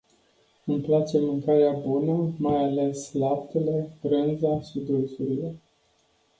Îmi place mâncarea bună, mai ales laptele, brânza și dulciurile.